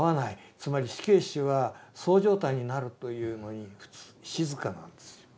つまり死刑囚は躁状態になるというのに静かなんですよ。